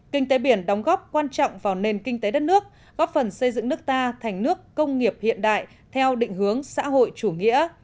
kinh tế biển đóng góp quan trọng vào nền kinh tế đất nước góp phần xây dựng nước ta thành nước công nghiệp hiện đại theo định hướng xã hội chủ nghĩa